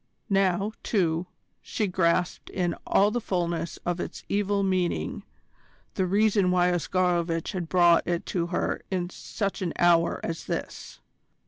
Now, too, she grasped in all the fullness of its evil meaning the reason why Oscarovitch had brought it to her in such an hour as this.